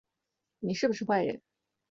你是不是坏人